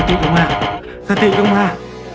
สติกลงมาสติกลงมา